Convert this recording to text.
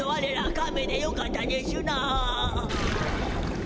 カメでよかったでしゅな。